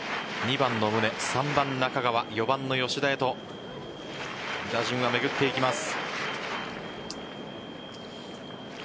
２番の宗、３番・中川４番の吉田へと打順は巡っていきます。